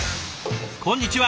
こんにちは。